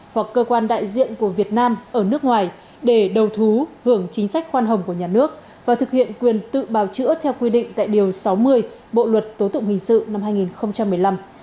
hoặc cơ quan đại diện của việt nam ở nước ngoài để đầu thú hưởng chính sách khoan hồng của nhà nước và thực hiện quyền tự bào chữa theo quy định tại điều sáu mươi bộ luật tố tụng hình sự năm hai nghìn một mươi năm